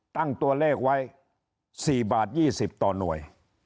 ตั้งตัวเลขไว้๔บาท๒๐ต่อหน่วย